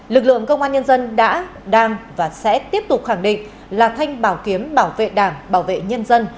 lực lượng công an nhân dân đã đang và sẽ tiếp tục khẳng định là thanh bảo kiếm bảo vệ đảng bảo vệ nhân dân